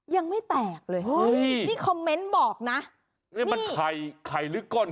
ยังไม่แตกเลย